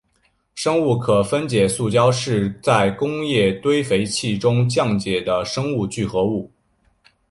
生物可分解塑胶是在工业堆肥器中降解的生物聚合物。